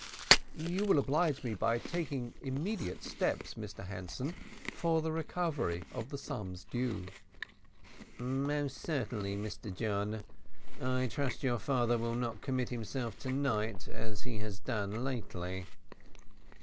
"You will oblige me by taking immediate steps, Mr Hanson, for the recovery of the sums due." "Most certainly, Mr John. I trust your father will not commit himself to night as he has done lately."